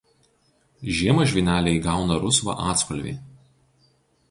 Žiemą žvyneliai įgauna rusvą atspalvį.